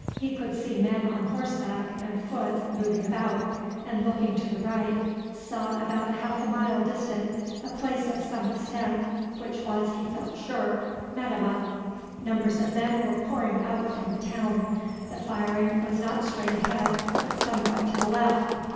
He could see men on horseback and foot moving about, and looking to the right saw about half a mile distant a place of some extent, which was, he felt sure, Metemmeh. Numbers of men were pouring out from the town. The firing was not straight ahead, but somewhat to the left.